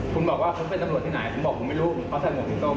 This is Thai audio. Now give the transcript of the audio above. คุณบอกว่าเขาเป็นตำรวจที่ไหนคุณบอกผมไม่รู้เขาใส่หมวกผิดส้ม